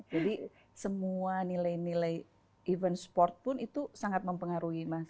semua nilai nilai event sport pun itu sangat mempengaruhi mas